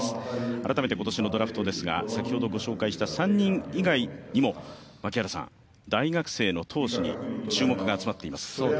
改めて今年のドラフトですが先ほどご紹介した３人以外にも、槙原さん、大学生の投手に注目が集まっています。